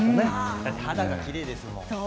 だって肌がきれいですもん。